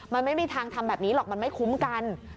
มันไม่มีทางทำแบบนี้หรอกมันไม่คุ้มกัน